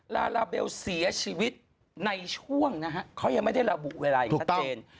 ลาลาเบลเสียชีวิตในช่วงนะฮะเขายังไม่ได้ระบุเวลาอย่างชัดเจน